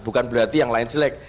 bukan berarti yang lain jelek